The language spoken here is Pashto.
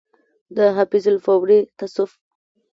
د حافظ الپورئ تصوف